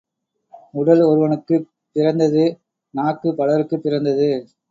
உடல் ஒருவனுக்குப் பிறந்தது நாக்குப் பலருக்குப் பிறந்தது.